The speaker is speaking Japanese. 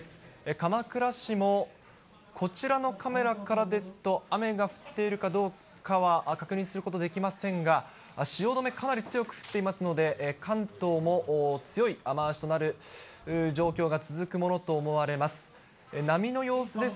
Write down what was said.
鎌倉市もこちらのカメラからですと、雨が降っているかどうかは確認することできませんが、汐留、かなり強く降っていますので、関東も強い雨足となる状況が続くものと見られます。